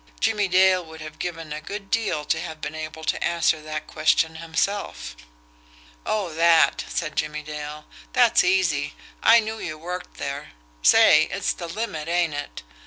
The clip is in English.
Jimmie Dale would have given a good deal to have been able to answer that question himself. "Oh, that!" said Jimmie Dale. "That's easy I knew you worked there. Say, it's the limit, ain't it?